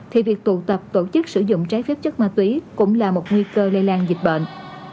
thì việc tụ tập tổ chức sử dụng trái phép chất ma túy cũng là một nguy cơ lây lan dịch bệnh